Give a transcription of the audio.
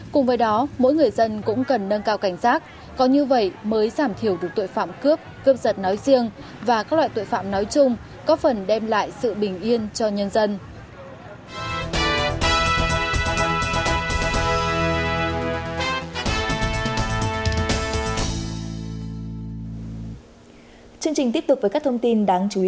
cùng với đó mỗi người dân cũng cần nâng cao cảnh giác có như vậy mới giảm thiểu được tội phạm cướp cướp giật nói riêng và các loại tội phạm nói chung có phần đem lại sự bình yên cho nhân dân